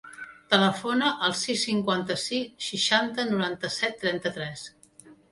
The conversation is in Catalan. Telefona al sis, cinquanta-sis, seixanta, noranta-set, trenta-tres.